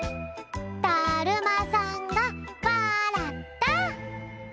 だるまさんがわらった！